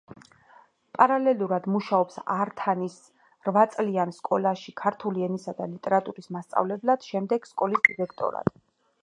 პარალელურად მუშაობს ართანის რვაწლიან სკოლაში ქართული ენისა და ლიტერატურის მასწავლებლად, შემდეგ სკოლის დირექტორად.